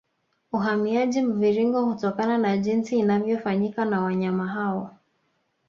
Uhamiaji Mviringo hutokana na jinsi inavyofanyika na wanyama hao